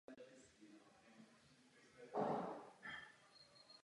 Rozdíl se však týká jen dvou úseků významných komunikací.